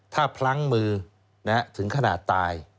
ถ้าพลั้งมือถึงขนาดตาย